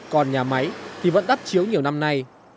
còn nhà máy thì vẫn đắp chiếu nhiều năm nay